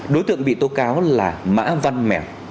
đối tượng bị tố cáo là mã văn mèng